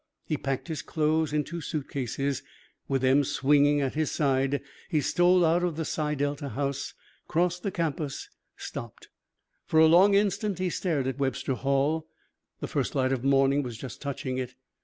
He packed his clothes in two suit cases. With them swinging at his side, he stole out of the Psi Delta house, crossed the campus, stopped. For a long instant he stared at Webster Hall. The first light of morning was just touching it.